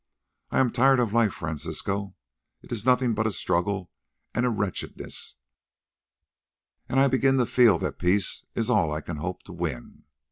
I am tired of life, Francisco; it is nothing but a struggle and a wretchedness, and I begin to feel that peace is all I can hope to win.